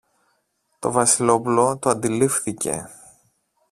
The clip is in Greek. Το Βασιλόπουλο το αντιλήφθηκε